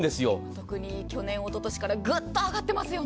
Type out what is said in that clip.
特に去年、おととしからグッと上がってますよね。